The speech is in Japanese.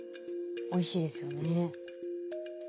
おいしいですよね。